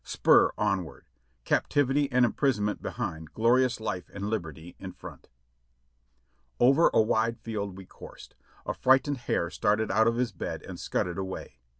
Spur onward ! Captivity and imprisonment behind, glorious life and liberty in front ! Over a wide field we coursed. A frightened hare started out of his bed and scudded away.